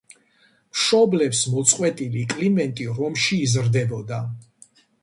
მშობლებს მოწყვეტილი კლიმენტი რომში იზრდებოდა.